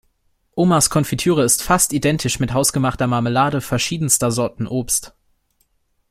Omas Konfitüre ist fast identisch mit hausgemachter Marmelade verschiedenster Sorten Obst.